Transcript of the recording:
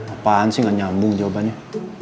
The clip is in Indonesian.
apaan sih nggak nyambung jawabannya